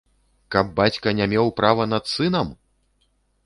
Каб бацька не меў права над сынам?!